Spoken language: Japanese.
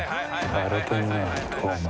「荒れてんな東卍」